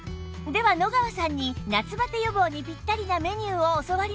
では野川さんに夏バテ予防にぴったりなメニューを教わりましょう